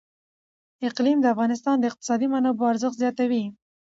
اقلیم د افغانستان د اقتصادي منابعو ارزښت زیاتوي.